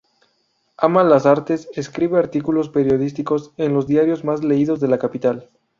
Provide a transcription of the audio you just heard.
Ama las artes, escribe artículos periodísticos en los diarios más leídos de la capital.